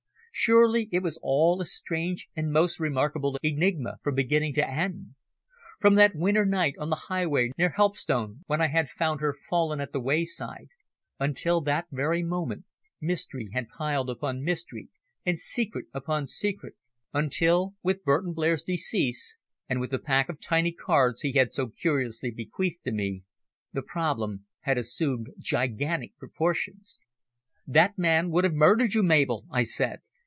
Surely it was all a strange and most remarkable enigma from beginning to end! From that winter night on the highway near Helpstone, when I had found her fallen at the wayside, until that very moment, mystery had piled upon mystery and secret upon secret until, with Burton Blair's decease and with the pack of tiny cards he had so curiously bequeathed to me, the problem had assumed gigantic proportions. "That man would have murdered you, Mabel," I said.